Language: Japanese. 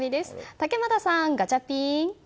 竹俣さん、ガチャピン。